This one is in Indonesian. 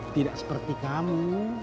tidak seperti kamu